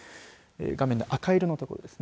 画面の赤い色のところです。